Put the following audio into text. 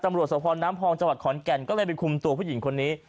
ตำรวจสภน้ำพองจังหวัดขอนแก่นก็เลยไปคุมตัวผู้หญิงคนนี้